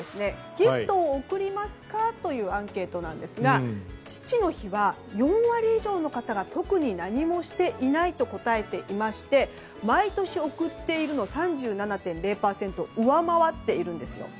ギフトを贈りますかというアンケートなんですが父の日は４割以上の方が特に何もしていないと答えていまして毎年贈っているの３７．０％を上回っているんです。